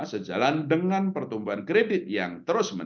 sejalan dengan pertumbuhan kredit yang berkumpul